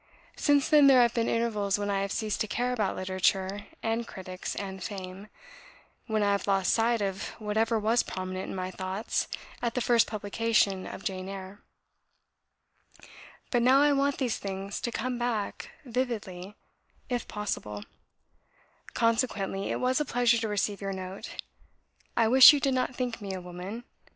Since then there have been intervals when I have ceased to care about literature and critics and fame; when I have lost sight of whatever was prominent in my thoughts at the first publication of 'Jane Eyre;' but now I want these things to come back vividly, if possible: consequently, it was a pleasure to receive your note. I wish you did not think me a woman.